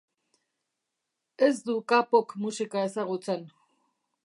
Ez du K-pop musika ezagutzen.